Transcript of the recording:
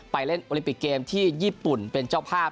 เล่นโอลิปิกเกมที่ญี่ปุ่นเป็นเจ้าภาพ